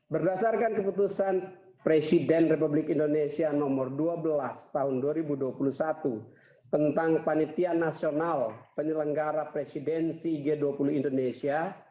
berdasarkan keputusan presiden republik indonesia nomor dua belas tahun dua ribu dua puluh satu tentang panitia nasional penyelenggara presidensi g dua puluh indonesia